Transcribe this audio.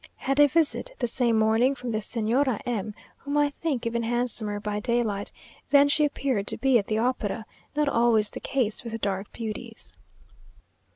Had a visit the same morning from the Señora M , whom I think even handsomer by daylight, than she appeared to be at the opera; not always the case with dark beauties.